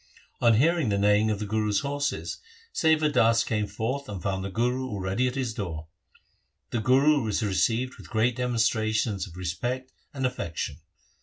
On hearing the neighing of the Guru's horses, Sewa Das came forth and found the Guru already at his door. The Guru was received with great demonstrations of respect and affection.